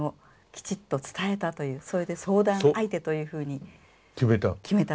それで相談相手というふうに決めた。